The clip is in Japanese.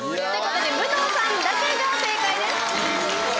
武藤さんだけが正解です。